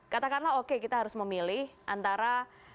katakanlah oke kita harus memilih antara